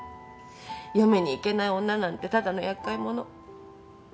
嫁に行けない女なんてただの厄介者。